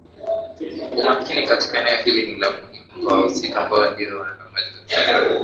Umakini katika eneo hili ni la muhimu kwa wahusika ambao ndio waandaaji wa safari